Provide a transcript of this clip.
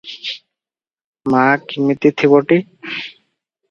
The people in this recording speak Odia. ମା କିମିତି ଥିବଟି?